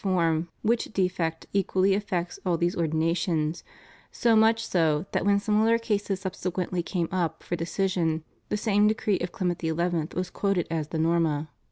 form, which defect equally affects all these Ordinations; so much so, that when similar cases subsequently came up for decision the same decree of Clement XI. was quoted as the norma.